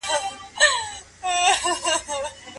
لیکوال د ټولنې د اصلاح لپاره د مینې او اخلاقو لاره غوره کړه.